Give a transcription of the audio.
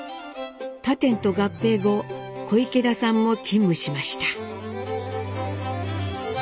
他店と合併後小池田さんも勤務しました。